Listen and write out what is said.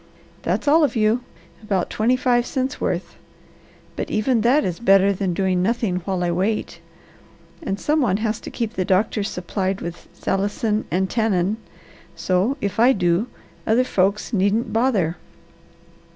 That's all of you about twenty five cents' worth. But even that is better than doing nothing while I wait, and some one has to keep the doctors supplied with salicin and tannin, so, if I do, other folks needn't bother."